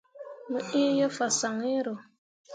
Mo iŋ ye fasaŋ iŋro.